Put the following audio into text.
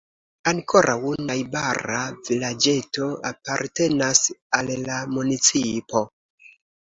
Ankoraŭ najbara vilaĝeto apartenas al la municipo.